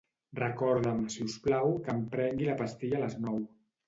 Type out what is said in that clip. Recorda'm, si us plau, que em prengui la pastilla a les nou.